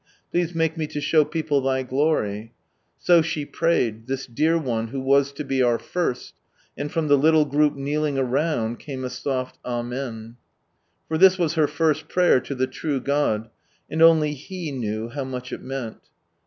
Please take iha to show people Thy glory," So she prayed, — t First, and from the little group kneeling around came a soft " Amen." For this was her first [)raycr to the true God, and only He knew how much it meant.